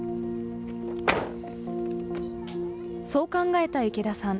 そう考えた池田さん。